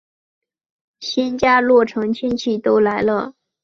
新家落成亲戚都来了